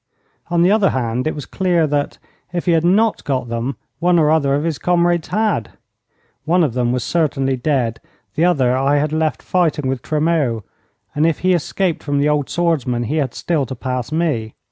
On the other hand, it was clear that, if he had not got them, one or other of his comrades had. One of them was certainly dead. The other I had left fighting with Tremeau, and if he escaped from the old swordsman he had still to pass me.